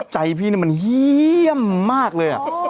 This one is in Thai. ใจพี่นี่มันเยี่ยมมากเลย